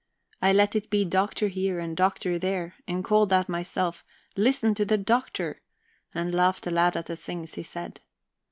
I let it be "Doctor" here and "Doctor" there, and called out myself: "Listen to the Doctor!" and laughed aloud at the things he said.